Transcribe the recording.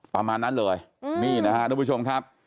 ประมาณนั้นเลยนี่นะครับทุกผู้ชมครับ